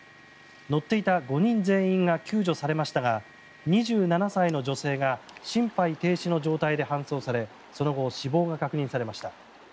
乗っていた５人全員が救助されましたが２７歳の女性が心肺停止の状態で搬送されその後、死亡が確認されました。